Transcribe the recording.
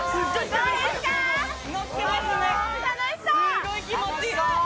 すっごい気持ちいい。